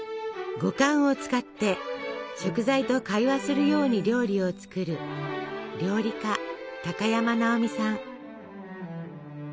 五感を使って食材と会話するように料理を作る料理家高山なおみさん。